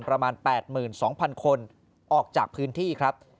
ประมาณ๘๒๐๐๐คนออกจากพื้นที่ครับ